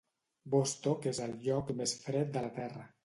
Vostok és el lloc més fred de la Terra.